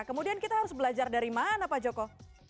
kemudian kita harus belajar dari mana pak joko